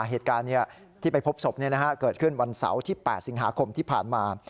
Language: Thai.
เหตุการณ์ที่ไปพบศพเกิดขึ้นวันเสาร์ที่๘สิงหาคมที่ผ่านมา